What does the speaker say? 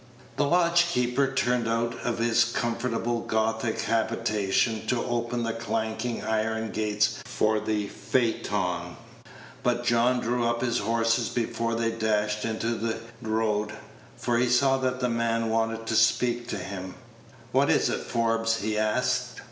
The lodge keeper turned out of his comfortable Gothic habitation to open the clanking iron gates for the phaeton; but John drew up his horses before they dashed into the road, for he saw that the man wanted to speak to him. "What is it, Forbes?" he asked.